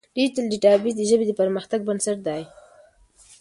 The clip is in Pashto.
ډیجیټل ډیټابیس د ژبې د پرمختګ بنسټ دی.